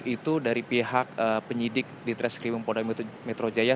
itu dari pihak penyidik di treskrimum polda metro jaya